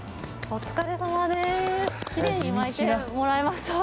お疲れさまです。